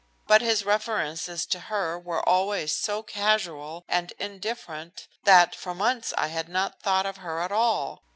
But his references to her were always so casual and indifferent that for months I had not thought of her at all.